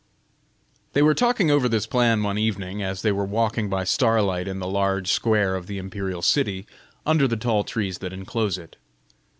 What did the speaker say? They were talking over this plan one beautiful evening, as they were walking by starlight in the large square of the Imperial city, under the tall trees that enclose it.